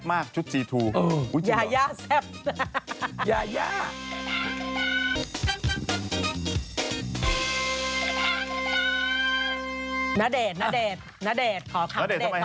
น้าเดชร์ทำไมฮะ